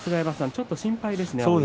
ちょっと心配ですね。